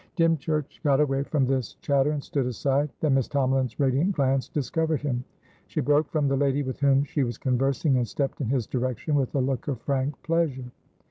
Dymchurch got away from this chatter, and stood aside. Then Miss Tomalin's radiant glance discovered him; she broke from the lady with whom she was conversing, and stepped in his direction with a look of frank pleasure.